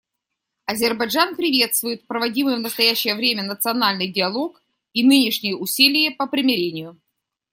Азербайджан приветствует проводимый в настоящее время национальный диалог и нынешние усилия по примирению.